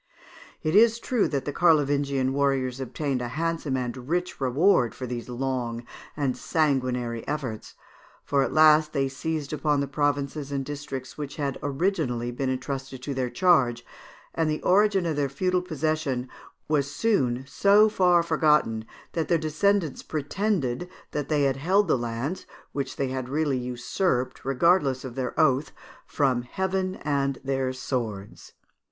It is true that the Carlovingian warriors obtained a handsome and rich reward for these long and sanguinary efforts, for at last they seized upon the provinces and districts which had been originally entrusted to their charge, and the origin of their feudal possession was soon so far forgotten, that their descendants pretended that they held the lands, which they had really usurped regardless of their oath, from heaven and their swords.